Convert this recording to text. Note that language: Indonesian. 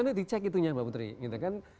nah itu di cek itunya mbak putri gitu kan